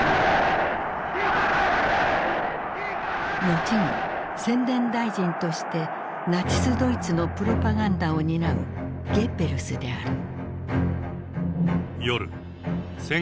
後に宣伝大臣としてナチスドイツのプロパガンダを担うゲッベルスである。